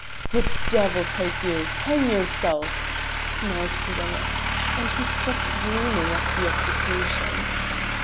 "The devil take you! Hang yourself!" snarled Tsiganok, and he stopped dreaming of the execution.